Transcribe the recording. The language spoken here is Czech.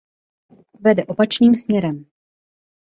Vede opačným směrem.